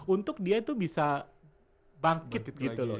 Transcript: untuk dia itu bisa bangkit gitu loh